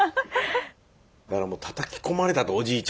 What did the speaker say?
だからもうたたき込まれたっておじいちゃんが。